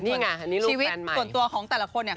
นี่ไงนี่ลูกแฟนใหม่ชีวิตส่วนตัวของแต่ละคนเนี่ย